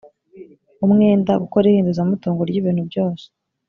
umwenda gukora ihinduzamutungo ry ibintu byose